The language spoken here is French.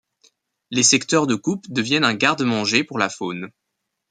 Les secteurs de coupe deviennent un garde-manger pour la faune.